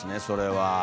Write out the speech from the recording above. それは。